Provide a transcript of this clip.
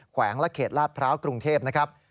วงและเขตลาดพร้าวกรุงเทพนะครับ